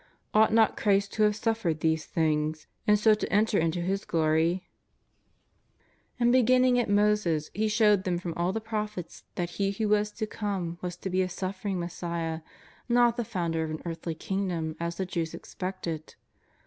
Ought not Christ to have suffered these things, and so to enter into His glory ?" And beginning at Moses He showed them from all the prophets that He who was to come was to be a suffering Messiah, not the founder of an earthly king dom as the Jews expected.